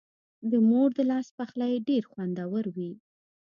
د مور د لاس پخلی ډېر خوندور وي.